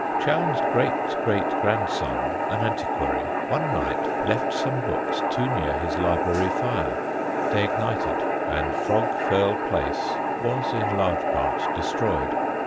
Chowne's great great grandson, an antiquary, one night left some books too near his library fire; they ignited, and Frog Firle Place was in large part destroyed.